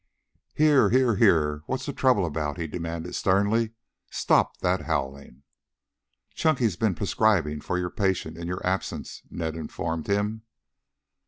"Here, here, here, what's the trouble now?" He demanded sternly. "Stop that howling!" "Chunky's been prescribing for your patient in your absence," Ned informed him.